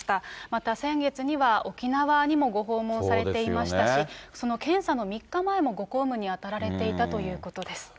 また先月には、沖縄にもご訪問されていましたし、その検査の３日前にもご公務に当たられていたということです。